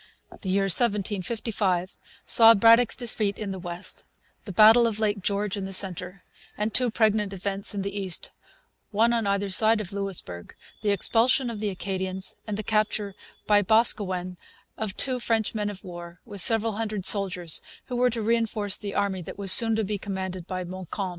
The year 1755 saw Braddock's Defeat in the west, the battle of Lake George in the centre, and two pregnant events in the east, one on either side of Louisbourg the expulsion of the Acadians, and the capture by Boscawen of two French men of war with several hundred soldiers who were to reinforce the army that was soon to be commanded by Montcalm.